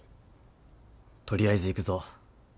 取りあえず行くぞ。